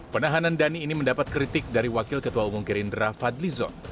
penahanan dhani ini mendapat kritik dari wakil ketua umum gerindra fadli zon